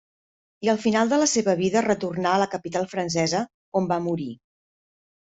I al final de la seva vida retornar a la capital francesa on va morir.